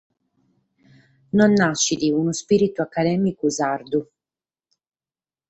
Non naschet unu ispìritu acadèmicu sardu.